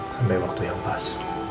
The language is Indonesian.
sampai waktu yang pas